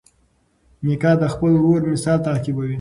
میکا د خپل ورور مثال تعقیبوي.